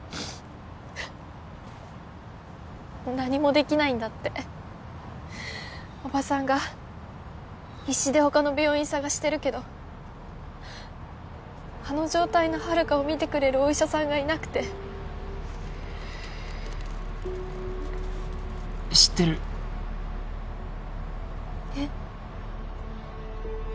何もできないんだっておばさんが必死で他の病院探してるけどあの状態の遙を診てくれるお医者さんがいなくて知ってるえっ？